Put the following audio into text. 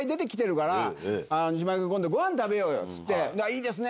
「いいですね！」。